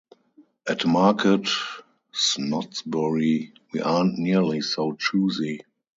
At Market Snodsbury we aren't nearly so choosy.